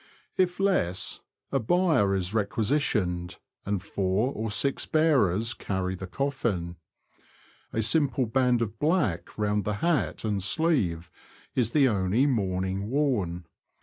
If less, a bier is requisitioned, and four or six bearers carry the coffin. A simple band of black round the hat and sleeve is the only mourning worn.